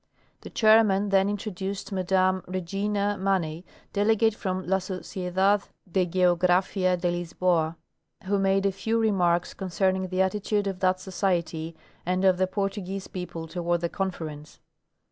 The chairman then introduced Mme Regina Maney, delegate from La Sociedade de Geographia de Lisboa, who made a few remarks concerning the attitude of that society and of the Por tuguese people toward the Conference.